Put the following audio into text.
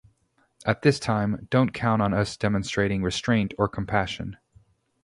At this time, don't count on us demonstrating restraint or compassion.